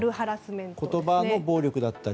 言葉の暴力だったり。